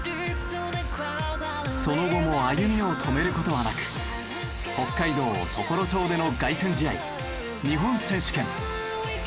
その後も歩みを止める事はなく北海道常呂町での凱旋試合日本選手権。